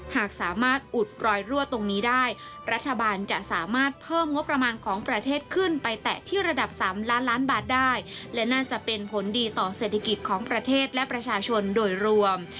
หากสามารถอุดรอยรั่วตรงนี้ได้รัฐบาลจะสามารถเพิ่มงบประมาณของประเทศขึ้นไปแตะที่ระดับ๓ล้านล้านบาทได้และน่าจะเป็นผลดีต่อเศรษฐกิจของประเทศและประชาชนโดยรวม